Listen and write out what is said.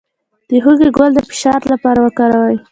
د هوږې ګل د فشار لپاره وکاروئ